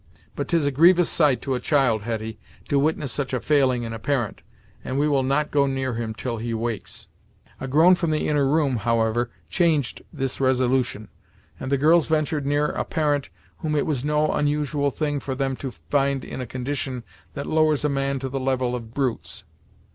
But 'tis a grievous sight to a child, Hetty, to witness such a failing in a parent, and we will not go near him 'til he wakes." A groan from the inner room, however, changed this resolution, and the girls ventured near a parent whom it was no unusual thing for them to find in a condition that lowers a man to the level of brutes.